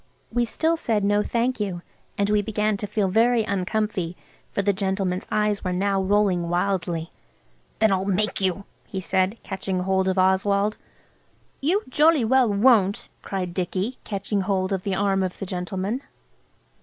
We still said "No, thank you," and we began to feel very uncomfy, for the gentleman's eyes were now rolling wildly. "Then I'll make you!" he said, catching hold of Oswald. "THEN I'LL MAKE YOU!" HE SAID, CATCHING HOLD OF OSWALD. "You jolly well won't," cried Dicky, catching hold of the arm of the gentleman.